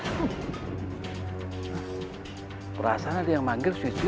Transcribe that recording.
aku rasa ada yang manggil suizid